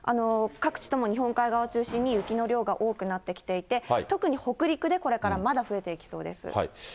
各地とも日本海側を中心に雪の量が多くなってきていて、特に北陸でこれからまだ増えていきそうです。